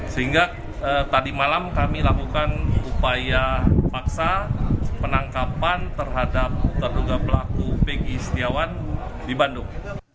sehingga tadi malam kami lakukan upaya paksa penangkapan terhadap terduga pelaku pegi setiawan di bandung